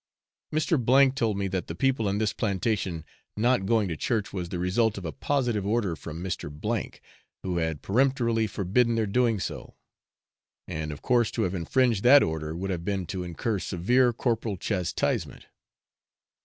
Mr. B told me that the people on this plantation not going to church was the result of a positive order from Mr. K , who had peremptorily forbidden their doing so, and of course to have infringed that order would have been to incur severe corporal chastisement.